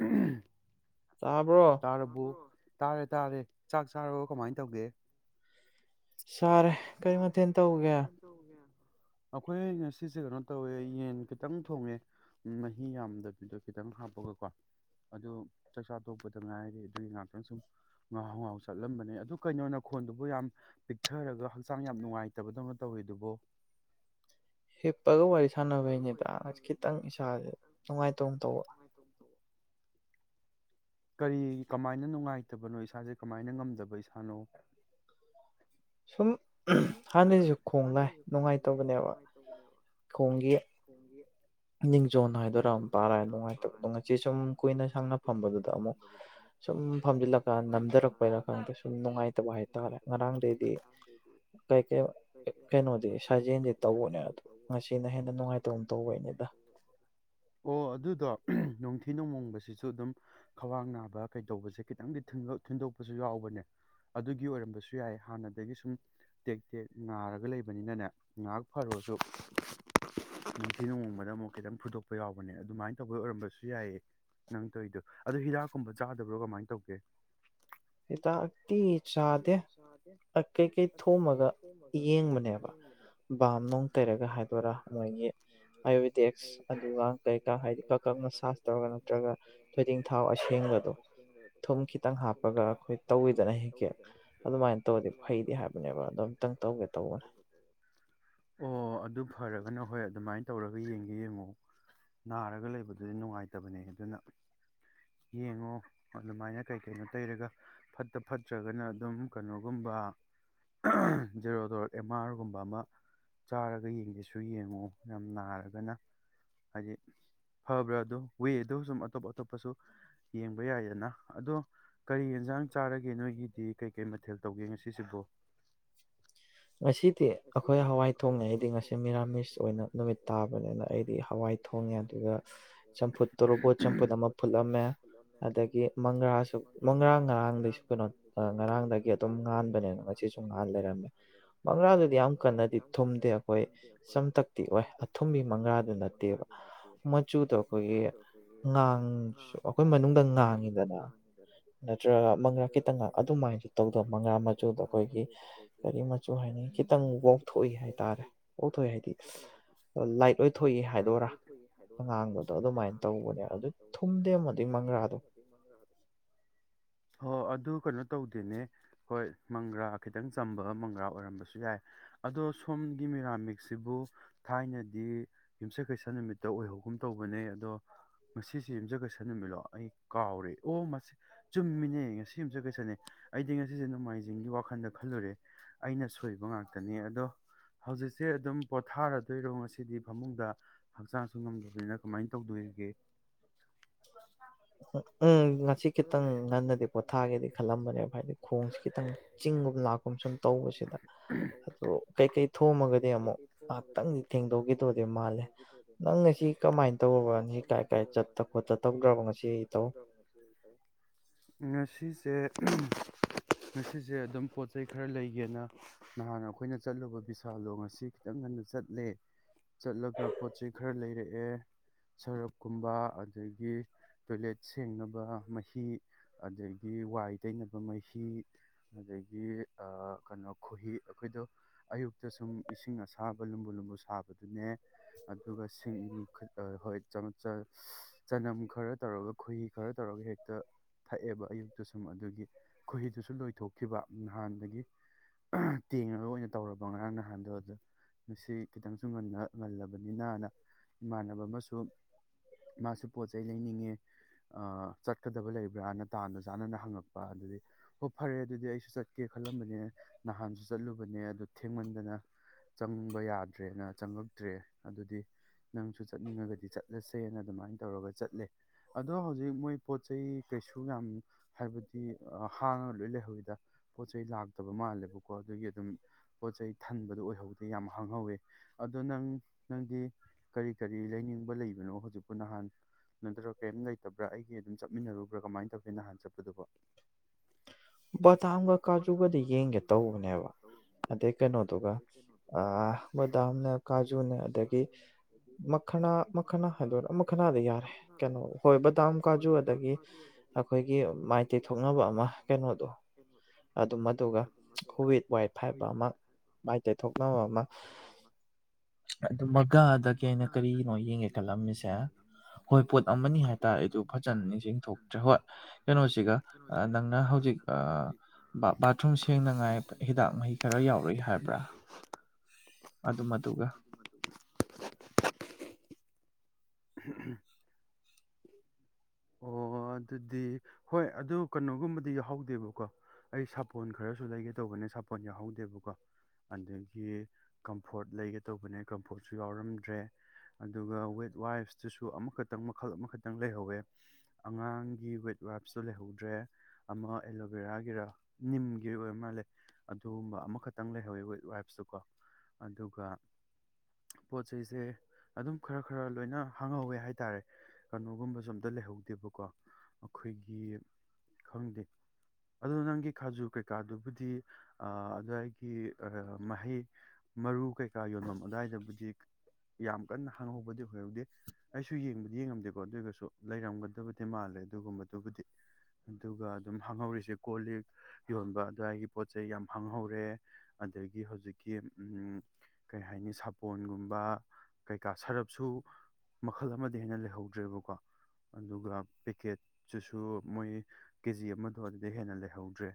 ꯑꯝ ꯇꯥꯕ꯭ꯔꯣ ꯇꯔꯕꯨ ꯇꯥꯔꯦ ꯇꯥꯔꯦ ꯆꯥꯛ ꯆꯥꯔꯕꯣ ꯀꯃꯥꯏ ꯇꯧꯒꯦ ꯆꯥꯔꯦ ꯀꯔꯤ ꯃꯊꯦꯜ ꯇꯧꯒꯦ ꯑꯈꯣꯏ ꯉꯁꯤꯁꯦ ꯀꯩꯅꯣ ꯇꯧꯋꯦ ꯌꯦꯟ ꯈꯤꯇꯪ ꯊꯣꯡꯉꯦ ꯃꯍꯤ ꯌꯥꯝꯗꯕꯤꯗꯣ ꯈꯤꯇꯪ ꯍꯥꯞꯄꯒꯀꯣ ꯑꯗꯨ ꯆꯥꯛꯆꯥꯥꯇꯣꯛꯄꯗ ꯉꯥꯏꯔꯤ ꯑꯗꯨꯒꯤ ꯉꯥꯛꯇꯪ ꯁꯨꯝ ꯉꯥꯍꯧ ꯉꯥꯍꯧ ꯆꯠꯂꯝꯕꯅꯦ ꯑꯗꯨ ꯀꯩꯅꯣ ꯅꯈꯣꯟꯗꯨꯕꯨ ꯌꯥꯝ ꯄꯤꯛꯊꯔꯒ ꯍꯛꯆꯥꯡ ꯌꯥꯝ ꯅꯨꯡꯉꯥꯏꯇꯕꯗꯧꯅ ꯇꯧꯋꯤꯗꯨꯕꯣ ꯍꯤꯞ ꯄꯒ ꯋꯥꯔꯤ ꯁꯥꯟꯅꯕꯩꯅꯤꯗ ꯈꯤꯇꯪ ꯏꯁꯥꯁꯦ ꯅꯨꯡꯉꯥꯏꯇꯒꯨꯝ ꯇꯧꯕ ꯀꯔꯤ ꯀꯃꯥꯏꯅ ꯅꯨꯡꯉꯥꯏꯇꯕꯅꯣ ꯏꯁꯥꯁꯦ ꯀꯃꯥꯏꯅ ꯉꯝꯗꯕ ꯏꯁꯥꯅꯣ ꯁꯨꯝ ꯍꯥꯟꯅꯁꯤꯁꯨ ꯈꯣꯡ ꯂꯥꯏ ꯅꯨꯡꯉꯥꯏꯇꯕꯅꯦꯕ ꯈꯣꯡꯒꯤ ꯅꯤꯡꯖꯣꯟ ꯍꯥꯏꯗꯣꯏꯔꯣ ꯄꯥꯔ ꯅꯨꯡꯉꯥꯏꯇꯕ ꯑꯗꯣ ꯉꯁꯤ ꯁꯨꯝ ꯀꯨꯏꯅ ꯁꯥꯡꯅ ꯐꯝꯕꯗꯨꯗ ꯑꯃꯨꯛ ꯁꯨꯝ ꯐꯝꯖꯤꯜꯂꯀꯥꯟ ꯅꯝꯊꯔꯛꯄꯒꯤꯅꯀꯥꯟꯗ ꯁꯨꯝ ꯅꯨꯡꯉꯥꯏꯇꯕ ꯍꯥꯏꯇꯥꯥꯔꯦ ꯉꯔꯥꯡꯗꯩꯗꯤ ꯀꯩ ꯀꯩ ꯀꯩꯅꯣꯗꯤ ꯁꯥꯖꯦꯜꯗꯤ ꯇꯧꯕꯅꯦ ꯑꯗꯣ ꯉꯁꯤꯅ ꯍꯦꯟꯅ ꯅꯨꯡꯉꯥꯏꯇꯕ ꯇꯧꯕꯩꯅꯦ ꯑꯣ ꯑꯗꯨꯗꯣ ꯍꯤ ꯅꯨꯃꯣꯡꯕꯁꯤꯁꯨ ꯑꯗꯨꯝ ꯈ꯭ꯋꯥꯡ ꯅꯥꯕ ꯀꯩꯗꯧꯕꯁꯦ ꯈꯤꯇꯪꯗꯤ ꯊꯤꯟꯗꯣꯛꯄꯁꯨ ꯌꯥꯎꯕꯅꯦ ꯑꯗꯨꯒꯤ ꯑꯣꯏꯔꯝꯕꯁꯨ ꯌꯥꯏ ꯍꯥꯟꯅꯗꯒꯤ ꯁꯨꯝ ꯇꯦꯛ ꯇꯦꯛ ꯉꯥꯔꯒ ꯂꯩꯕꯅꯤꯅꯅꯦ ꯉꯥꯏꯍꯥꯛ ꯐꯔꯨꯔꯁꯨ ꯅꯤꯡꯊꯤ ꯅꯨꯣꯡꯃꯗ ꯑꯃꯨꯛ ꯈꯤꯇꯪ ꯐꯨꯗꯣꯛꯄ ꯌꯥꯎꯕꯅꯦ ꯑꯗꯨꯃꯥꯏꯅ ꯇꯧꯕꯗ ꯑꯣꯏꯔꯝꯕꯁꯨ ꯌꯥꯏꯑ ꯅꯪ ꯇꯧꯔꯤꯗꯣ ꯑꯗꯨꯗ ꯍꯤꯗꯥꯛꯀꯨꯝꯕ ꯆꯥꯗꯕ꯭ꯔꯣ ꯀꯃꯥꯏꯅ ꯇꯧꯒꯦ ꯁꯤꯇ ꯛꯇꯤ ꯆꯥꯗꯦ ꯀꯩꯀꯩ ꯊꯣꯃꯒ ꯌꯦꯡꯕꯅꯦꯕ ꯕꯥꯝ ꯅꯨꯡ ꯇꯩꯔꯒ ꯍꯥꯏꯗꯣꯏꯔꯥ ꯃꯣꯏꯒꯤ ꯑꯌꯨꯚꯦꯗꯤꯛꯁ ꯑꯗꯨꯒ ꯀꯩꯀꯥ ꯍꯥꯏꯗꯤ ꯀꯛ ꯀꯛꯅ ꯁꯥꯁ ꯇꯧꯔꯒ ꯅꯠꯇ꯭ꯔꯒ ꯊꯣꯏꯗꯤꯡ ꯊꯥꯎ ꯑꯁꯦꯡꯕꯗꯣ ꯊꯨꯝ ꯈꯤꯇꯪ ꯍꯥꯞꯄ ꯑꯩꯈꯣꯏ ꯇꯧꯋꯤꯗꯅ ꯍꯤꯡ ꯍꯥꯏꯕꯅꯦꯕ ꯑꯗꯣ ꯑꯝꯇꯪ ꯇꯧꯒꯦ ꯇꯧꯕꯅꯦ ꯑꯣ ꯑꯗꯨ ꯐꯔꯦ ꯑꯗꯨꯅ ꯍꯣꯏ ꯑꯗꯨꯃꯥꯏꯅ ꯇꯧꯔꯒ ꯌꯦꯡꯒꯦ ꯌꯦꯡꯉꯣ ꯅꯥꯔꯒ ꯂꯩꯕꯗꯨꯗꯤ ꯅꯨꯡꯉꯥꯏꯇꯕꯅꯦ ꯑꯗꯨꯅ ꯌꯦꯡꯉꯣ ꯑꯗꯨꯃꯥꯏꯅ ꯀꯩ ꯀꯩꯅꯣ ꯇꯩꯔꯒ ꯐꯠꯇ ꯐꯠꯇ ꯅꯠꯇ꯭ꯔꯒꯅ ꯑꯗꯨꯝ ꯀꯩꯅꯣꯒꯨꯝꯕ ꯖꯦꯔꯣꯗꯣꯔ ꯑꯦꯝ ꯑꯥꯔꯒꯨꯝꯕ ꯑꯃ ꯆꯥꯔꯒ ꯌꯦꯡꯒꯦꯁꯨ ꯌꯦꯡꯉꯨ ꯌꯥꯝ ꯅꯥꯔꯒꯅ ꯍꯥꯏꯗꯤ ꯐꯕ꯭ꯔꯥ ꯑꯗꯣ ꯋꯦꯗ ꯁꯨꯝ ꯑꯇꯣꯞ ꯑꯇꯣꯞꯄꯁꯨ ꯌꯦꯡꯕ ꯌꯥꯏꯗꯅ ꯑꯗꯣ ꯀꯔꯤ ꯌꯦꯟꯁꯥꯡ ꯆꯥꯔꯒꯦ ꯅꯣꯏꯒꯤꯗꯤ ꯀꯩ ꯀꯩ ꯃꯊꯦꯜ ꯇꯧꯒꯦꯉꯁꯤ ꯁꯤꯕꯣ ꯉꯁꯤꯗꯤ ꯑꯩꯈꯣꯏ ꯍꯋꯥꯏ ꯊꯣꯡꯉꯦ ꯑꯩꯗꯤ ꯉꯁꯤ ꯃꯤꯔꯥꯃꯤꯁ ꯑꯣꯏꯅ ꯅꯨꯃꯤꯠ ꯇꯥꯕꯅꯤꯅ ꯑꯩꯗꯤ ꯍꯋꯥꯏ ꯊꯣꯡꯉꯦ ꯑꯗꯨꯒ ꯆꯝꯐꯨꯠ ꯇꯔꯨꯄꯣꯠ ꯆꯝꯐꯨꯠ ꯑꯃ ꯐꯨꯠꯂꯝꯃꯦ ꯑꯗꯒꯤ ꯃꯪꯒ꯭ꯔꯥꯁꯨ ꯃꯪꯒ꯭ꯔꯥ ꯉꯔꯥꯡꯗꯒꯤꯩꯁꯨ ꯀꯩꯅꯣ ꯉꯔꯥꯡꯗꯒꯤ ꯑꯗꯨꯝ ꯉꯥꯟꯕꯅꯤꯅ ꯉꯁꯤꯁꯨ ꯉꯥꯟ ꯂꯩꯔꯝꯃꯦ ꯃꯪꯥ ꯀꯟꯅꯗꯤ ꯊꯨꯝꯗꯦ ꯑꯩꯈꯣꯏ ꯁꯝꯇꯛꯇꯤ ꯑꯣꯏ ꯑꯊꯨꯝꯕꯤ ꯃꯪꯒ꯭ꯔꯥꯗꯨ ꯅꯠꯇꯦꯕ ꯃꯆꯨꯗꯣ ꯑꯩꯈꯣꯏꯒꯤ ꯉꯥꯡꯁꯨ ꯑꯩꯈꯣꯏ ꯃꯅꯨꯡꯗ ꯉꯥꯡꯉꯤꯗꯅ ꯅꯠꯇ꯭ꯔꯒ ꯃꯪꯒ꯭ꯔꯥ ꯈꯤꯇꯪ ꯑꯗꯨꯃꯥꯏꯅꯁꯨ ꯇꯧꯗꯕ ꯃꯪꯒ꯭ꯔꯥ ꯃꯆꯨꯗꯣ ꯑꯩꯈꯣꯏꯒꯤ ꯃꯆ ꯍꯥꯏꯅꯤ ꯋꯥꯎꯊꯣꯛꯏ ꯍꯥꯏꯇꯥꯔꯦ ꯋꯥꯎꯊꯣꯛꯏ ꯍꯥꯏꯗꯤ ꯂꯥꯏꯠ ꯑꯣꯏꯊꯣꯛꯏ ꯍꯥꯏꯗꯣꯏꯔꯥ ꯑꯉꯥꯡꯕꯗꯣ ꯑꯗꯨꯃꯥꯏꯅ ꯇꯧꯕꯅꯦ ꯑꯗꯨ ꯊꯨꯝꯗꯦ ꯑꯃꯗꯤ ꯃꯪꯒ꯭ꯔꯥꯗꯣ ꯍ ꯑꯗꯨ ꯀꯩꯅꯣ ꯇꯧꯗꯦꯅꯦ ꯍꯣꯏ ꯃꯪꯒ꯭ꯔꯥ ꯈꯤꯇꯪ ꯆꯝꯕ ꯃꯪꯒ꯭ꯔꯥ ꯑꯣꯏꯔꯝꯕꯁꯨ ꯌꯥꯏ ꯑꯗꯣ ꯁꯣꯝꯒꯤ ꯃꯤꯔꯥꯃꯤꯛꯁꯤꯕꯨ ꯊꯥꯏꯅꯗꯤ ꯌꯨꯝꯁꯀꯩꯁꯥ ꯅꯨꯃꯤꯠꯇ ꯑꯣꯏꯍꯧꯒꯨꯝ ꯇꯧꯕꯅꯦ ꯑꯗꯣ ꯉꯁꯤꯁꯦ ꯌꯨꯝꯆꯀꯩꯁꯥ ꯅꯨꯃꯤꯠꯂꯣ ꯑꯩ ꯀꯥꯎꯔꯦ ꯑꯣ ꯃꯁꯤ ꯆꯨꯝꯃꯤꯅꯦ ꯉꯁꯤ ꯌꯨꯝꯆꯀꯩꯁꯟꯅꯅꯤ ꯑꯩꯗꯤ ꯉꯁꯤꯁꯦ ꯅꯣꯡꯃꯥꯏꯖꯤꯡꯒꯤ ꯋꯥꯈꯜꯗ ꯈꯜꯂꯨꯔꯦ ꯑꯩꯅ ꯁꯣꯏꯕ ꯉꯥꯛꯇ ꯉꯥꯛꯅꯤ ꯑꯗꯣ ꯍꯧꯖꯤꯛꯁꯦ ꯑꯗꯨꯝ ꯄꯣꯊꯥꯔꯗꯣꯏꯔꯣ ꯉꯁꯤꯗꯤ ꯐꯃꯨꯡꯗ ꯍꯛꯆꯥꯡꯁꯨ ꯉꯝꯗꯕꯅꯤꯅ ꯀꯃꯥꯏꯅ ꯇꯧꯗꯣꯏꯒꯦ ꯎꯝ ꯉꯁꯤ ꯈꯤꯇꯪ ꯉꯟꯅꯗꯤ ꯄꯣꯊꯥꯒꯦꯗꯤ ꯈꯜꯂꯝꯕꯅꯦꯕ ꯍꯥꯏꯗꯤ ꯈꯣꯡꯁꯤ ꯈꯤꯇꯪ ꯆꯤꯡꯒꯨꯝ ꯂꯥꯛꯀꯨꯝ ꯁꯨꯝ ꯇꯧꯕꯁꯤꯗ ꯑꯗꯣ ꯀꯩꯀꯩ ꯊꯣꯝꯃꯒꯗꯤ ꯑꯃꯨꯛ ꯉꯥꯏꯍꯥꯛꯇꯪꯗꯤ ꯊꯦꯡꯗꯣꯛꯈꯤꯗꯧꯗꯤ ꯃꯥꯜꯂꯦ ꯅꯪ ꯉꯁꯤ ꯀꯃꯥꯏꯅ ꯇꯧꯔꯕ ꯉꯁꯤ ꯀꯥꯏ ꯀꯥꯏ ꯆꯠꯇ ꯈꯣꯠꯇ ꯇꯧꯗ꯭ꯔꯕ ꯉꯁꯤ ꯏꯇꯧ ꯁꯖꯦ ꯉꯁꯤꯁꯦ ꯉꯁꯤꯁꯦ ꯑꯗꯨꯝ ꯄꯣꯠ ꯆꯩꯩ ꯈꯔ ꯂꯩꯒꯦꯅ ꯅꯍꯥꯟ ꯑꯩꯈꯣꯏꯅ ꯆꯠꯂꯨꯕ ꯕꯤꯁꯥꯂꯣ ꯑꯁꯤ ꯈꯤꯇꯪ ꯉꯟꯅ ꯆꯠꯂꯦ ꯆꯠꯂꯒ ꯄꯣꯠ ꯆꯩꯩ ꯈꯔ ꯂꯩꯔꯛꯑꯦ ꯁꯔꯞꯀꯨꯝꯕ ꯑꯗꯒꯤ ꯇꯣꯏꯂꯦꯠ ꯁꯦꯡꯅꯕ ꯃꯍꯤ ꯑꯗꯒꯤ ꯋꯥꯏ ꯇꯩꯅꯕ ꯃꯍꯤ ꯑꯗꯒꯤ ꯀꯩꯅꯣ ꯈꯣꯍꯤ ꯑꯩꯈꯣꯏꯗꯣ ꯑꯌꯨꯛꯇ ꯁꯨꯝ ꯏꯁꯤꯡ ꯑꯁꯥꯕ ꯂꯨꯝꯕꯨ ꯂꯨꯝꯕꯨ ꯁꯥꯕꯗꯨꯅꯦ ꯑꯗꯨꯒ ꯁꯤꯡ ꯍꯣꯏ ꯆꯅꯝ ꯈꯔ ꯇꯧꯔꯒ ꯈꯨꯍꯤ ꯈꯔ ꯇꯧꯔꯒ ꯍꯦꯛꯇ ꯊꯛꯑꯦꯕ ꯑꯌꯨꯛꯇ ꯁꯨꯝ ꯑꯗꯨꯒꯤ ꯈꯨꯍꯤꯗꯨꯁꯨ ꯂꯣꯏꯊꯣꯛꯈꯤꯕ ꯅꯍꯥꯟꯗꯒꯤ ꯇꯦꯡꯉꯒ ꯑꯣꯏꯅ ꯇꯧꯔꯕ ꯉꯔꯥꯡꯅꯍꯟꯗꯣꯛꯑꯗ ꯃꯁꯤ ꯈꯤꯇꯪꯁꯨ ꯉ ꯉꯂꯕ ꯅꯤꯅꯅ ꯏꯃꯥꯟꯅꯕ ꯑꯃꯁꯨ ꯃꯥꯁꯨ ꯄꯣꯠ ꯆꯩ ꯂꯩꯅꯤꯡꯉꯦ ꯆꯠꯀꯗꯕ ꯂꯩꯕ꯭ꯔꯅ ꯇꯥꯟꯅ ꯆꯥꯟꯅꯅ ꯍꯪꯉꯛꯄ ꯑꯗꯨꯗꯤ ꯍꯣꯏ ꯐꯔꯦ ꯑꯗꯨꯗꯤ ꯑꯩꯁꯨ ꯆꯠꯀꯦ ꯈꯜꯂꯝꯕꯅꯦ ꯅꯍꯥꯟꯁꯨ ꯆꯠꯂꯨꯕꯅꯦ ꯑꯗꯨ ꯊꯦꯡꯃꯟꯗꯅ ꯆꯪꯕ ꯌꯥꯗ꯭ꯔꯦꯅ ꯆꯪꯉꯛꯇ꯭ꯔꯦ ꯑꯗꯨꯗꯤ ꯅꯪꯁꯨ ꯆꯠꯅꯤꯡꯉꯒꯗꯤ ꯆꯠꯂꯁꯦꯅ ꯑꯗꯨꯃꯥꯏꯅ ꯇꯧꯔꯒ ꯆꯠꯂꯦ ꯑꯗꯣ ꯍꯧꯖꯤꯛ ꯃꯣꯏ ꯄꯣꯠ ꯆꯩ ꯀꯩꯁꯨ ꯌꯥꯝ ꯍꯥꯏꯕꯗꯤ ꯍꯥꯡꯉꯒ ꯂꯣꯏ ꯂꯩꯍꯧꯋꯤꯗ ꯄꯣꯠ ꯆꯩꯩ ꯂꯥꯛꯇꯕ ꯃꯥꯜꯂꯦꯕꯀꯣ ꯑꯗꯨꯒꯤ ꯑꯗꯨꯝ ꯄꯣꯠ ꯆꯩꯩ ꯊꯟꯕꯗꯣ ꯑꯣꯏꯍꯧꯗꯦ ꯌꯥꯝ ꯍꯥꯡꯍꯧꯋꯦ ꯑꯗꯣ ꯅꯪ ꯅꯪꯗꯤ ꯀꯔꯤ ꯀꯔꯤ ꯂꯩꯅꯤꯡꯕ ꯂꯩꯕꯅꯣ ꯍꯧꯖꯤꯛꯄꯨ ꯅꯍꯥꯟ ꯅꯠꯇ꯭ꯔ ꯀꯩꯝ ꯆꯠꯇꯕ꯭ꯔꯥ ꯑꯩꯒꯤ ꯑꯗꯨꯝ ꯆꯠꯃꯤꯟꯅꯔꯨꯕ꯭ꯔꯥ ꯀꯃꯥꯏꯅ ꯇꯧꯒꯦ ꯅꯍꯥꯟ ꯆꯠꯄꯗꯨꯕ ꯄꯣꯠ ꯕꯗꯥꯝꯒ ꯀꯥꯖꯨꯒꯗꯤ ꯌꯦꯡꯒꯦ ꯇꯧꯕꯅꯦꯕ ꯑꯗꯩ ꯀꯩꯅꯣꯗꯨꯒ ꯕꯗꯥꯝꯅꯦ ꯀꯥꯖꯨꯅꯦ ꯑꯗꯒꯤ ꯃꯈꯅꯥ ꯃꯈꯅꯥ ꯍꯥꯏꯗꯨꯔꯥ ꯃꯈꯅꯥꯗ ꯌꯥꯔꯦ ꯀꯩꯅꯣ ꯍꯣꯏ ꯕꯗꯥꯝ ꯀꯥꯖꯨ ꯑꯗꯒꯤ ꯑꯩꯈꯣꯏꯒꯤ ꯃꯥꯏ ꯇꯩꯊꯣꯛꯅꯕ ꯑꯃ ꯀꯩꯅꯣꯗꯣ ꯑꯗꯨꯝ ꯑꯗꯨꯒ ꯍꯨꯋꯤꯠ ꯋꯥꯏꯠ ꯍꯥꯏꯕ ꯑꯃ ꯃꯥꯏ ꯇꯊꯣꯛꯅꯕ ꯑꯃ ꯑꯗꯨ ꯃꯒꯥ ꯑꯗꯒꯤ ꯑꯩꯅ ꯀꯔꯤꯅꯣ ꯌꯦꯡꯉꯦ ꯈꯜꯂꯝꯃꯤꯁꯦ ꯍꯣꯏ ꯄꯣꯠ ꯑꯃꯅꯤ ꯍꯥꯏꯇꯥꯔꯦ ꯑꯗꯨ ꯐꯖꯅ ꯅꯤꯡꯁꯤꯡ ꯊꯣꯛꯇ꯭ꯔꯦ ꯍꯣꯏ ꯀꯩꯅꯣꯁꯤꯒ ꯅꯪꯅ ꯍꯧꯖꯤꯛ [inaudible] ꯕꯥꯊꯔꯨꯝ ꯁꯦꯡꯅꯉꯥꯏ ꯍꯤꯗꯥꯛ ꯃꯍꯤ ꯈꯔ ꯌꯥꯎꯔꯛꯏ ꯍꯥꯏꯕ꯭ꯔꯥ ꯑꯗꯨ ꯃꯗꯨꯒ [inaudible] ꯑꯣ ꯑꯗꯨꯗꯤ ꯍꯣꯏ ꯑꯗꯨ ꯀꯩꯅꯣꯒꯨꯝꯕꯗꯤ ꯌꯥꯎꯍꯧꯗꯦꯕꯀꯣ ꯑꯩ ꯁꯥꯄꯣꯟ ꯈꯔꯁꯨ ꯂꯩꯒꯦ ꯇꯧꯕꯅꯦ ꯁꯥꯄꯣꯟ ꯌꯥꯎꯍꯧꯗꯦꯕꯀꯣ ꯑꯗꯒꯤ ꯀꯝꯐꯣꯔꯠ ꯂꯩꯒꯦ ꯇꯧꯕꯅꯦ ꯀꯝꯐꯣꯔꯠꯁꯨ ꯌꯥꯎꯔꯝꯗ꯭ꯔꯦ ꯑꯗꯨꯒ ꯋꯦꯠ ꯋꯥꯏꯐꯇꯨꯁꯨ ꯑꯃꯈꯛꯇꯪ ꯃꯈꯜ ꯑꯃꯈꯛꯇꯪ ꯂꯩꯍꯧꯋꯦ ꯑꯉꯥꯡꯒꯤ ꯋꯦꯠ ꯋꯥꯏꯞꯁꯇꯣ ꯂꯩꯍꯧꯗ꯭ꯔꯦ ꯑꯃ ꯑꯦꯂꯣꯚꯦꯔꯥꯒꯤꯔ ꯅꯤꯝꯒꯤ ꯑꯣꯏ ꯃꯥꯜꯂꯦ ꯑꯗꯨꯒꯨꯝꯕ ꯑꯃꯈꯛꯇꯪ ꯂꯩꯍꯧꯋꯦ ꯋꯦꯠ ꯋꯥꯏꯞꯁꯇꯨꯀꯣ ꯑꯗꯨꯒ ꯄꯣꯠ ꯆꯩꯁꯦ ꯑꯗꯨꯝ ꯈꯔ ꯈꯔ ꯂꯣꯏꯅ ꯍꯥꯡꯍꯧꯋꯦ ꯍꯥꯏꯇꯥꯔꯦ ꯀꯩꯅꯣꯒꯨꯝꯕ ꯁꯨꯝ ꯗ ꯂꯩꯍꯧꯗꯦꯕꯀꯣ ꯑꯩꯈꯣꯏꯒꯤ ꯈꯪꯗꯦ ꯑꯗꯣ ꯅꯪꯒꯤ ꯈꯥꯖꯨ ꯀꯩꯀꯥꯗꯨꯕꯨꯗꯤ ꯑꯗꯨꯋꯥꯏꯒꯤ ꯃꯍꯩ ꯃꯔꯨ ꯀꯩꯀꯥ ꯌꯣꯟꯐꯝ ꯑꯗꯨꯋꯥꯏꯗꯕꯨꯗꯤ ꯌꯥꯝ ꯀꯟꯅ ꯍꯥꯡꯍꯧꯕꯗꯤ ꯑꯣꯏꯍꯧꯗꯦ ꯑꯩꯁꯨ ꯌꯦꯡꯕꯗꯤ ꯌꯦꯡꯉꯝꯗꯦꯀꯣ ꯑꯗꯨꯔꯒꯁꯨ ꯂꯩꯔꯝꯒꯗꯕꯗꯤ ꯃꯥꯜꯂꯦ ꯑꯗꯨꯒꯨꯝꯕꯗꯨꯕꯨꯗꯤ ꯑꯗꯨꯒ ꯑꯗꯨꯝ ꯍꯥꯡꯍꯧꯔꯤꯁꯦ ꯀꯣꯜ ꯂꯤꯛ ꯌꯣꯟꯕ ꯑꯗꯨꯋꯥꯏꯒꯤ ꯄꯣꯠ ꯆꯩꯩ ꯌꯥꯝ ꯍꯥꯡꯍꯧꯔꯦ ꯑꯗꯒꯤ ꯍꯧꯖꯤꯛꯀꯤ ꯀꯩ ꯍꯥꯏꯅꯤ ꯁꯥꯄꯣꯟꯒꯨꯝꯕ ꯀꯩꯀꯥ ꯁꯔꯞꯁꯨ ꯃꯈꯜ ꯑꯃꯗ ꯍꯦꯟꯅ ꯂꯩꯍꯧꯗ꯭ꯔꯦꯕꯀꯣ ꯑꯗꯨꯒ ꯄꯦꯛꯀꯦꯠꯁꯤꯁꯨ ꯃꯣꯏ ꯀꯦꯖꯤ ꯑꯃꯗꯣ ꯑꯗꯨꯗ ꯍꯦꯟꯅ ꯂꯩꯍꯧꯗ꯭ꯔꯦ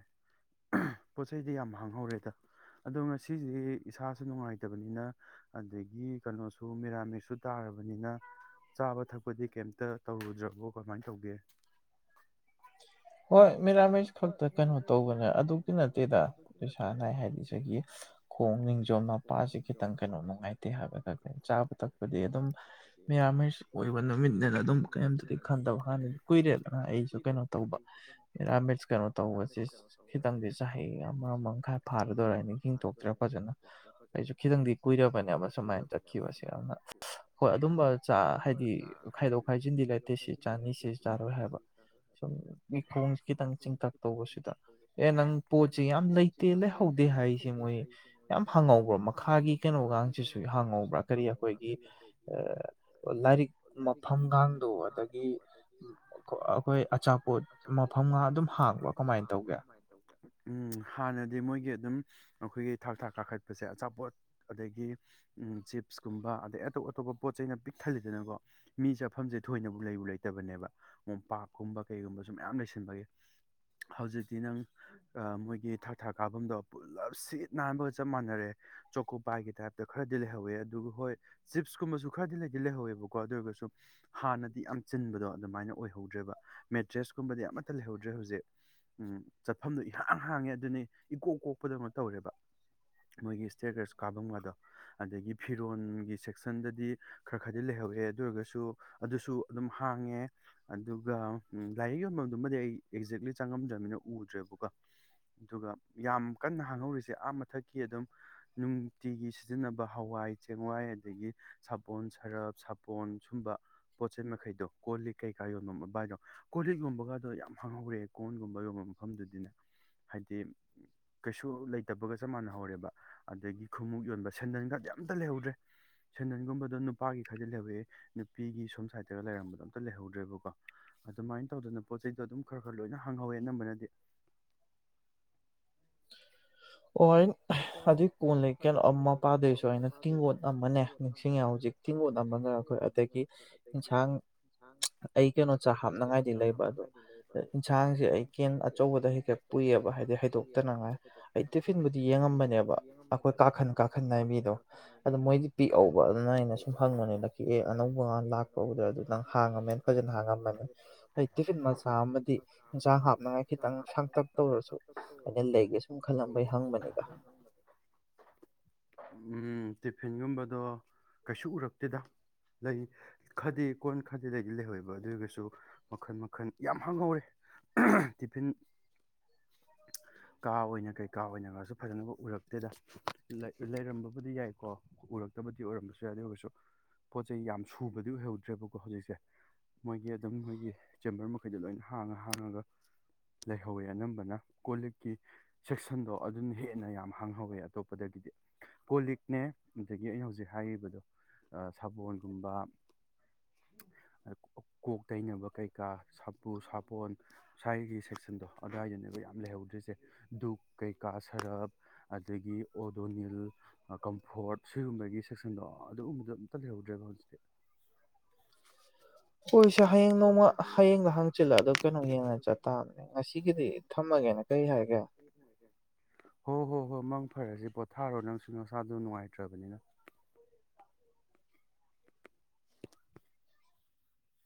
ꯄꯣꯠ ꯆꯩꯗꯤ ꯌꯥꯝ ꯍꯥꯡꯍꯧꯔꯦꯗ ꯑꯗꯣ ꯉꯁꯤꯁꯤ ꯏꯁꯥꯁꯨ ꯅꯨꯡꯉꯥꯏꯇꯕꯅꯤꯅ ꯑꯗꯒꯤ ꯀꯩꯅꯣꯁꯨ ꯃꯤꯔꯥꯃꯤꯛꯁꯨ ꯇꯥꯔꯕꯅꯤꯅ ꯆꯥꯕ ꯊꯛꯄꯗꯤ ꯀꯩ ꯇꯧꯔꯨꯗ꯭ꯔꯕꯣ ꯀꯃꯥꯏꯅ ꯇꯧꯒꯦ ꯃꯤꯔꯥꯃꯤꯁ ꯈꯛꯇ ꯀꯩꯅꯣ ꯇꯧꯕꯅꯦ ꯑꯗꯨꯛ ꯅꯠꯇꯦꯗ ꯏꯁꯥ ꯅꯥꯏ ꯍꯥꯏꯗꯤ ꯁꯤꯒꯤ ꯈꯣꯡ ꯅꯤꯡꯖꯣꯝ ꯃꯄꯥꯁꯤ ꯈꯤꯇꯪ ꯀꯩꯅꯣ ꯅꯨꯡꯉꯥꯏꯇꯦ ꯍꯥꯏꯕ ꯈꯛ ꯆꯥꯕ ꯊꯛꯄꯗꯤ ꯑꯗꯨꯝ ꯃꯤꯔꯥꯃꯤꯁ ꯑꯣꯏꯕ ꯅꯨꯃꯤꯠꯅꯦꯅ ꯑꯗꯨꯝ ꯀꯔꯤꯝꯇꯗꯤ ꯈꯟꯗꯕ ꯍꯥꯟꯗ ꯀꯨꯏꯔꯦꯅ ꯑꯩꯁꯨ ꯀꯩꯅꯣ ꯇꯧꯕ ꯀꯩꯅꯣ ꯇꯧꯕꯁꯦ ꯈꯤꯇꯪꯗꯤ ꯆꯍꯤ ꯑꯃ ꯃꯈꯥꯏ ꯐꯥꯒꯗꯣꯔꯦ ꯍꯥꯏꯅꯤ ꯍꯤꯡꯊꯣꯛꯇ꯭ꯔꯦ ꯐꯖꯅ ꯑꯩꯁꯨ ꯈꯤꯇꯪꯗꯤ ꯀꯨꯏꯔꯕꯅꯦꯕ ꯁꯨꯃꯥꯏꯅ ꯆꯠꯈꯤꯕꯁꯦ ꯑꯗꯨꯅ ꯍꯣꯏ ꯑꯗꯨꯝꯕ ꯆ ꯍꯥꯏꯗꯤ ꯈꯥꯏꯗꯣꯛ ꯈꯥꯏꯖꯤꯟꯗꯤ ꯂꯩꯇꯦ ꯁꯤ ꯆꯥꯅꯤ ꯁꯤ ꯆꯥꯔꯣꯏ ꯍꯥꯏꯕ ꯁꯨꯝ ꯈꯣꯡꯁꯦ ꯈꯤꯇꯪ ꯆꯤꯟꯇꯛ ꯇꯧꯕꯁꯤꯗ ꯑꯦ ꯅꯪ ꯄꯣꯠꯁꯤ ꯌꯥꯝ ꯂꯩꯇꯦ ꯂꯩꯍꯧꯗꯦ ꯍꯥꯏꯁꯦ ꯃꯣꯏ ꯌꯥꯝ ꯍꯥꯡꯍꯧꯕ꯭ꯔꯥ ꯃꯈꯥꯒꯤ ꯀꯩꯅꯣꯒꯁꯤꯁꯨ ꯍꯥꯡꯍꯧꯕ꯭ꯔꯥ ꯀꯔꯤ ꯑꯩꯈꯣꯏꯒꯤ ꯂꯥꯏꯔꯤꯛ ꯃꯐꯝꯒꯗꯣ ꯑꯗꯒꯤ ꯑꯩꯈꯣꯏ ꯑꯆꯥꯄꯣꯠ ꯃꯐꯝ ꯎꯝ ꯍꯥꯟꯅꯗꯤ ꯃꯣꯏꯒꯤ ꯑꯗꯨꯝ ꯑꯩꯈꯣꯏꯒꯤ ꯊꯥꯛ ꯊꯥꯛ ꯀꯥꯈꯠꯄꯁꯦ ꯑꯆꯥꯄꯣꯠ ꯑꯗꯒꯤ ꯆꯤꯞꯁꯀꯨꯝꯕ ꯑꯗꯩ ꯑꯇꯣꯞ ꯑꯇꯣꯞꯄ ꯄꯣꯠ ꯆꯩꯩꯅ ꯄꯤꯛ ꯊꯜꯂꯤꯗꯅꯀꯣ ꯃꯤ ꯆꯠꯐꯝꯁꯦ ꯊꯣꯏꯅꯕꯨ ꯂꯩꯕꯨ ꯂꯩꯇꯕꯅꯦꯕ ꯃꯣꯝꯄꯥꯛꯀꯨꯝꯕ ꯀꯩꯒꯨꯝꯕꯁꯨ ꯃꯌꯥꯝ ꯂꯩꯁꯟꯕꯒꯤ ꯍꯧꯖꯤꯛꯇꯤ ꯅꯪ ꯃꯣꯏꯒꯤ ꯊꯥꯛ ꯊꯥꯛ ꯀꯥꯐꯝꯗꯣ ꯄꯨꯂꯞ ꯁꯤꯠ ꯅꯥꯟꯕꯒ ꯆꯞ ꯃꯥꯟꯅꯔꯦ ꯆꯣꯀꯣ ꯄꯥꯏꯒꯤ ꯇꯥꯏꯞꯇ ꯈꯔꯗꯤ ꯂꯩꯍꯧꯋꯦ ꯑꯗꯨꯒ ꯍꯣꯏ ꯆꯤꯞꯁꯀꯨꯝꯕꯁꯨ ꯈꯔꯗꯤꯗꯤ ꯂꯩꯍꯧꯋꯦꯕꯀꯣ ꯑꯗꯨ ꯑꯣꯏꯔꯒꯁꯨ ꯍꯥꯟꯅꯗꯤ ꯌꯥꯝ ꯆꯤꯟꯕꯗꯣ ꯑꯗꯨꯃꯥꯏꯅ ꯑꯣꯏꯍꯧꯗ꯭ꯔꯦꯕ ꯃꯦꯇ꯭ꯔꯦꯁ ꯀꯨꯝꯕꯗꯤ ꯑꯃ ꯊ ꯂꯩꯍꯧꯗ꯭ꯔꯦ ꯍꯧꯖꯤꯛ ꯎꯝ ꯆꯠꯐꯝꯗꯣ ꯏꯍꯥꯡ ꯍꯥꯡꯉꯦ ꯑꯗꯨꯅꯤ ꯏꯀꯣꯛ ꯀꯣꯛꯄꯗꯧꯅ ꯇꯧꯔꯦꯕ ꯃꯣꯏꯒꯤ ꯏꯁꯇꯦꯔꯀꯦꯁ ꯀꯥꯐꯝꯒꯗꯣ ꯑꯗꯒꯤ ꯐꯤꯔꯣꯟꯒꯤ ꯁꯦꯛꯁꯟꯗꯗꯤ ꯈꯔ ꯈꯔꯗꯤ ꯂꯩꯍꯧꯋꯦ ꯑꯗꯨ ꯑꯣꯏꯔꯒꯁꯨ ꯑꯗꯨꯁꯨ ꯑꯗꯨꯝ ꯍꯥꯡꯉꯦ ꯑꯗꯨꯒ ꯂꯥꯏꯔꯤꯛ ꯌꯣꯟꯐꯝ ꯑꯗꯨꯃꯗꯤ ꯑꯩ ꯑꯦꯛꯖꯦꯛꯂꯤ ꯆꯪꯉꯝꯗ꯭ꯔꯕꯅꯤꯅ ꯎꯗ꯭ꯔꯦꯕꯀꯣ ꯑꯗꯨꯒ ꯌꯥꯝ ꯀꯟꯅ ꯍꯥꯡꯍꯧꯔꯤꯁꯦ ꯑꯥ ꯃꯊꯛꯀꯤ ꯑꯗꯨꯝ ꯅꯨꯡꯇꯤꯒꯤ ꯁꯤꯖꯤꯟꯅꯕ ꯍꯋꯥꯏ ꯆꯦꯡꯋꯥꯏ ꯑꯗꯒꯤ ꯁꯥꯄꯣꯟ ꯁꯔꯞ ꯁꯥꯄꯣꯟ ꯁꯨꯝꯕ ꯄꯣꯠꯆꯩ ꯃꯈꯩꯗꯣ ꯀꯣꯜ ꯂꯤꯛ ꯀꯩꯀꯥ ꯌꯣꯟꯐꯝꯝ ꯕꯥ ꯍꯥꯏꯗꯣ ꯀꯣꯜ ꯂꯤꯛ ꯌꯣꯟꯕꯒꯗ ꯑꯗꯣ ꯌꯥꯝ ꯍꯥꯡꯍꯧꯋꯦ ꯀꯣꯟꯒꯨꯝꯕ ꯌꯣꯟꯕ ꯃꯐꯝꯗꯗꯤꯅ ꯍꯥꯏꯗꯤ ꯀꯩꯁꯨ ꯂꯩ ꯇꯕꯒ ꯆꯞ ꯃꯥꯟꯅꯍꯧꯔꯦꯕ ꯑꯗꯒꯤ ꯈꯨꯃꯨꯛ ꯌꯣꯟꯕ ꯁꯦꯟꯗꯟꯒꯗꯤ ꯑꯝꯇ ꯂꯩꯍꯧꯗ꯭ꯔꯦ ꯁꯦꯟꯗꯟꯒꯨꯝꯕꯗ ꯅꯨꯄꯥꯒꯤ ꯈꯔꯗꯤ ꯂꯩꯍꯧꯑꯦ ꯅꯨꯄꯤꯒꯤ ꯁꯣꯝ ꯁꯥꯏꯠꯇꯒ ꯂꯩꯔꯝꯕꯗꯣ ꯑꯝꯇ ꯂꯩꯍꯧꯗ꯭ꯔꯦꯕꯀꯣ ꯑꯗꯨꯃꯥꯏ ꯇꯧꯗꯅ ꯄꯣꯠ ꯆꯩꯗꯣ ꯑꯗꯨꯝ ꯈꯔ ꯈꯔ ꯂꯣꯏꯅ ꯍꯥꯡꯍꯧꯋꯦ ꯑꯅꯝꯕꯅꯗꯤ ꯑꯣꯏ ꯑꯗꯨꯏ ꯀꯣꯟ ꯂꯩ ꯀꯩꯅꯣ ꯑꯃ ꯃꯄꯥꯗꯣꯏꯁꯨ ꯑꯩꯅ ꯇꯤꯡꯒꯣꯠ ꯑꯃꯅꯦ ꯅꯤꯡꯁꯤꯡꯉꯦ ꯍꯧꯖꯤꯛ ꯇꯤꯡꯒꯣꯠ ꯑꯃꯒ ꯑꯩꯈꯣꯏ ꯑꯗꯒꯤ ꯏꯟꯁꯥꯡ ꯑꯩ ꯀꯩꯅꯣ ꯆꯥꯛ ꯍꯥꯞꯅꯉꯥꯏꯗꯤ ꯂꯩꯕ ꯑꯗꯣ ꯏꯟꯁꯥꯡꯁꯦ ꯑꯩ ꯀꯦꯟ ꯑꯆꯧꯕꯗ ꯍꯦꯛꯇ ꯄꯨꯏꯌꯦꯕ ꯍꯥꯏꯗꯤ ꯍꯩꯗꯣꯛ [unintelligible] ꯑꯩ ꯇꯤꯐꯤꯟꯕꯨꯗꯤ ꯌꯦꯡꯉꯝꯕꯅꯦꯕ ꯑꯈꯣꯏ ꯀꯥꯈꯟ ꯀꯥꯈꯟ ꯅꯥꯏꯕꯤꯗꯣ ꯑꯗꯨꯗꯣ ꯃꯣꯏꯗꯤ ꯄꯤꯛꯍꯧꯕ ꯑꯗꯨꯅ ꯑꯩꯅ ꯁꯨꯝ ꯍꯪꯕꯅꯦꯗ ꯑꯦ ꯑꯅꯧꯕ ꯂꯥꯛꯄꯕꯨꯗ ꯑꯗꯨ ꯅꯪ ꯍꯥꯡꯉꯝꯃꯦꯅ ꯐꯖꯅ ꯍꯥꯡꯉꯝꯕꯅꯤ ꯑ ꯇꯤꯐꯤꯟ ꯃꯆꯥ ꯑꯃꯗꯤ ꯌꯦꯟꯁꯥꯡ ꯍꯥꯞꯅꯉꯥꯏ ꯈꯤꯇꯪ ꯁꯥꯡꯇꯛ ꯇꯧꯔꯁꯨ ꯑꯩꯅ ꯂꯩꯒꯦ ꯁꯨꯝ ꯈꯜꯂꯝꯕꯩ ꯍꯪꯕꯅꯤꯒ ꯎꯝ ꯇꯤꯐꯤꯟꯒꯨꯝꯕꯗꯣ ꯀꯩꯁꯨ ꯎꯔꯛꯇꯦꯗ ꯂꯩ ꯈꯗꯦ ꯀꯣꯟ ꯈꯗꯤ ꯂꯩꯗꯤ ꯂꯩꯍꯧꯋꯦꯕ ꯑꯗꯨꯔꯒꯁꯨ ꯃꯈꯟ ꯃꯈꯜ ꯌꯥꯝ ꯍꯥꯡꯍꯧꯔꯦ ꯇꯤꯐꯤꯟ ꯀꯥ ꯑꯣꯏꯅ ꯀꯩꯀꯥ ꯑꯣꯏꯅꯒꯁꯨ ꯐꯖꯅꯅꯕꯨ ꯎꯔꯛꯇꯦꯗ ꯂꯩꯔꯝꯕꯕꯨꯗꯤ ꯌꯥꯏꯀꯣ ꯎꯔꯛꯇꯕꯗꯤ ꯑꯣꯏꯔꯝꯕꯁꯨ ꯌꯥꯏ ꯑꯗꯨ ꯑꯣꯏꯔꯁꯨ ꯄꯣꯠ ꯆꯩ ꯌꯥꯝ ꯁꯨꯕꯗꯤ ꯑꯣꯏꯍꯧꯗ꯭ꯔꯦꯕꯀꯣ ꯍꯧꯖꯤꯛꯁꯦ ꯃꯣꯏꯒꯤ ꯑꯗꯨꯝ ꯃꯣꯏꯒꯤ ꯆꯦꯝꯕꯔ ꯃꯈꯩꯗ ꯂꯣꯏꯅ ꯍꯥꯡꯉ ꯍꯥꯡꯉꯒ ꯂꯩꯍꯧꯋꯦ ꯑꯅꯝꯕꯅ ꯀꯣ ꯂꯤꯛꯀꯤ ꯁꯦꯛꯁꯟꯗꯣ ꯑꯗꯨꯅ ꯍꯦꯟꯅ ꯌꯥꯝ ꯍꯥꯡꯍꯧꯋꯦ ꯑꯇꯣꯞꯄꯗꯒꯤꯗꯤ ꯄꯣ ꯂꯤꯛꯅꯦ ꯑꯗꯒꯤ ꯑꯩꯅ ꯍꯧꯖꯤꯛ ꯍꯥꯏꯔꯤꯕꯗꯣ ꯁꯥꯕꯣꯟꯒꯨꯝꯕ ꯀꯣꯛ ꯇꯩꯅꯕ ꯀꯩꯀꯥ ꯁꯥꯄꯨ ꯁꯥꯄꯣꯟ ꯁ꯭ꯋꯥꯏꯒꯤ ꯁꯦꯛꯁꯟꯗꯣ ꯑꯗꯨꯋꯥꯏꯗꯅꯦ ꯑꯩꯕ ꯌꯥꯝ ꯂꯩꯍꯧꯗ꯭ꯔꯤꯁꯦ ꯗꯨꯛ ꯀꯩ ꯀꯥ ꯁꯔꯞ ꯑꯗꯒꯤ ꯗꯣꯅꯤꯜ ꯀꯝꯐꯣꯔꯠ ꯁꯤꯒꯨꯝꯕꯒꯤ ꯁꯦꯛꯁꯟꯗꯣ ꯑꯗꯨꯒꯨꯝꯕꯗꯣ ꯑꯝꯇ ꯂꯩꯍꯧꯗ꯭ꯔꯦꯕ ꯍꯧꯖꯤꯛꯇꯤ ꯍꯣꯏꯁꯦ ꯍꯌꯦꯡ ꯅꯣꯡꯃ ꯍꯌꯦꯡꯒ ꯍꯪꯆꯤꯜꯂ ꯑꯗꯣ ꯀꯩꯅꯣ ꯌꯦꯡꯉ ꯆꯠ ꯇꯥꯕꯅꯦ ꯉꯁꯤꯒꯤꯗꯤ ꯊꯝꯃꯒꯦꯅ ꯀꯔꯤ ꯍꯥꯏꯒꯦ ꯍꯣꯏ ꯍꯣꯏ ꯍꯣꯏ ꯃꯪ ꯐꯔꯁꯤ ꯄꯣꯊꯥꯔꯣ ꯅꯪꯁꯨ ꯅꯁꯥꯗꯨꯣ ꯅꯨꯡꯉꯥꯏꯇ꯭ꯔꯕꯅꯤꯅ